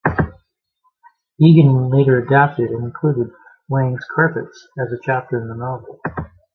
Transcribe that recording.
Egan later adapted and included "Wang's Carpets" as a chapter in the novel.